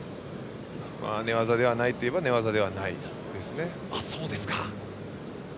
寝技ではないといえば寝技ではないですね。